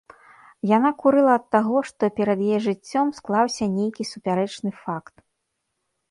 Яна курыла ад таго, што перад яе жыццём склаўся нейкі супярэчны факт.